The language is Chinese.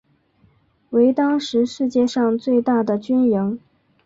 为当时世界上最大的军营。